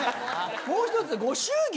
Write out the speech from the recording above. もう１つご祝儀？